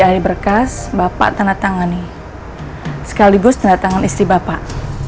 dari berkas bapak tanda tangani sekaligus tanda tangan istri bapak